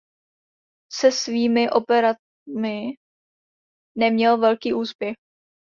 Se svými operami neměl velký úspěch.